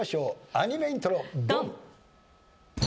アニメイントロドン！